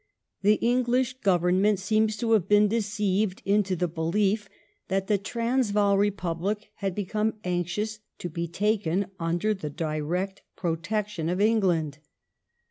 The English Government seems to have been deceived into the belief that the Transvaal Re public had become anxious to be taken under the direct protection of England.